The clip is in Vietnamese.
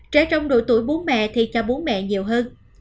trẻ trong độ tuổi bú mẹ thì cho bú mẹ nhiều hơn